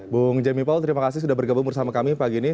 bung jemmy paul terima kasih sudah bergabung bersama kami pagi ini